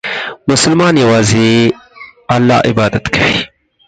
مسلمان یوازې الله عبادت کوي.